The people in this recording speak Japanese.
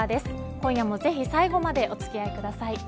今夜もぜひ最後までお付き合いください。